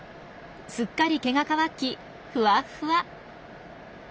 すっかり毛が乾きふわふわ。